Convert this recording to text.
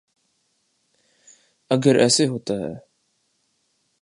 اگر ایسے ہوتا ہے۔